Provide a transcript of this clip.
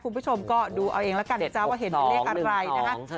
คุณผู้ชมก็ดูเอาเองแล้วกันนะจ๊ะว่าเห็นเป็นเลขอะไรนะคะ